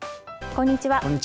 こんにちは。